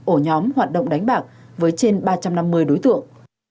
ổ nhóm hoạt động đánh bạc với trên ba trăm năm mươi đối tượng